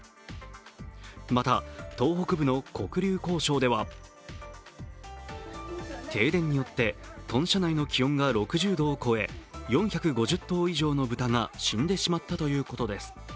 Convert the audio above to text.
また東北部の黒竜江省では停電によって豚舎内の気温が６０度を超え、４５０頭の豚が死んでしまったということです。